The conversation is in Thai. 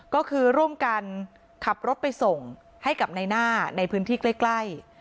ก็คือร่วมกันขับรถไปส่งให้กับในหน้าในพื้นที่ใกล้